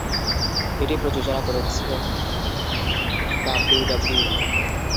এটি প্রযোজনা করেছেন ডাব্লিউডাব্লিউই।